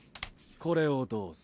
これをどうぞ。